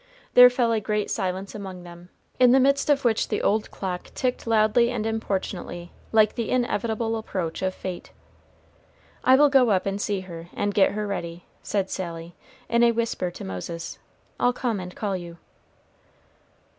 There fell a great silence among them, in the midst of which the old clock ticked loudly and importunately, like the inevitable approach of fate. "I will go up and see her, and get her ready," said Sally, in a whisper to Moses. "I'll come and call you."